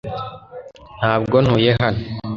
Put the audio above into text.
Ntabwo ntuye hano .